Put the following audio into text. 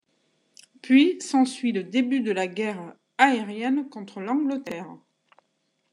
Puis s'ensuit le début de la guerre aérienne contre l'Angleterre.